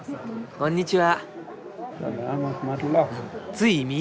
こんにちは。